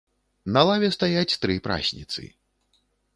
На лаве стаяць тры прасніцы.